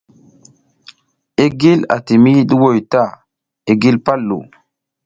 I gil ati miyi ɗuhoy ta, i gil pal ɗu.